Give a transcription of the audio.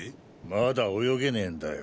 まだ泳げねぇんだよ。